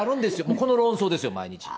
この論争ですよ、毎日。